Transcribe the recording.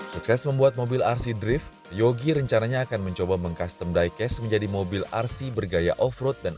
sukses membuat mobil rc drift yogi rencananya akan mencoba mengkustom diecast menjadi mobil rc bergaya off road dan adventure